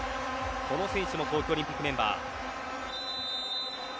こちらも東京オリンピックメンバー。